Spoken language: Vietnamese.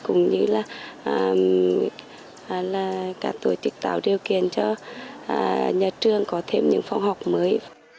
cũng như là các tổ chức tạo điều kiện cho nhà trường có thêm những phòng học mới